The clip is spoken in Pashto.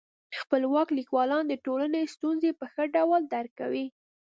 خپلواک لیکوالان د ټولني ستونزي په ښه ډول درک کوي.